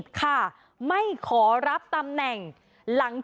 ทีนี้จากรายทื่อของคณะรัฐมนตรี